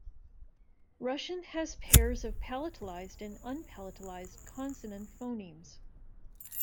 Russian has pairs of palatalized and unpalatalized consonant phonemes.